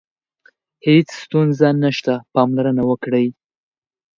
هیڅ ستونزه نشته، پاملرنه وکړئ.